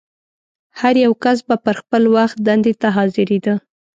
هر یو کس به پر خپل وخت دندې ته حاضرېده.